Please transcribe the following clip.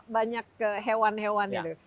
banyak hewan hewan ya